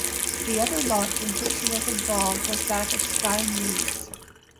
The other launch in which he was involved was that of Sky News.